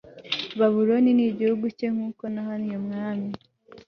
babuloni n igihugu cye nk uko nahannye umwami